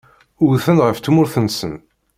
Wten ɣef tmurt-nsen.